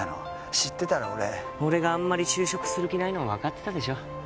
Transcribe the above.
知ってたら俺俺があんまり就職する気ないのも分かってたでしょ